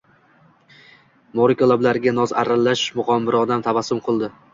Moriko lablariga noz aralash mug‘ombirona tabassum yugurdi.